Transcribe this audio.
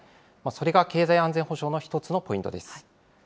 それが経済安全保障の一つのポイントです。